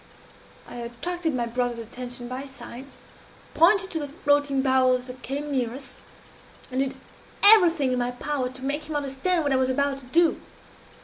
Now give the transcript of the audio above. I attracted my brother's attention by signs, pointed to the floating barrels that came near us, and did everything in my power to make him understand what I was about to do.